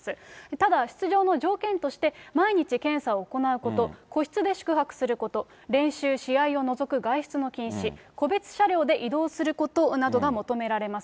ただ、出場の条件として、毎日検査を行うこと、個室で宿泊すること、練習・試合を除く外出の禁止、個別車両で移動することなどが求められます。